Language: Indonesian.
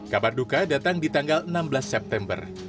kabar duka datang di tanggal enam belas september